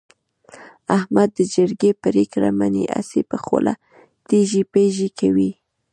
احمد د جرگې پرېکړه مني، هسې په خوله ټزې پزې کوي.